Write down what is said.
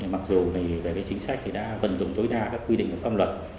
mặc dù về chính sách đã vận dụng tối đa các quy định pháp luật